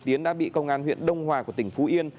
tiến đã bị công an huyện đông hòa của tỉnh phú yên